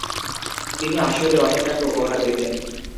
তিনি আসরে অনেক টাকা উপহার পেতেন।